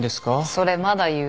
それまだ言う？